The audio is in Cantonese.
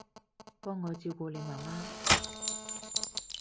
幫我照顧你媽媽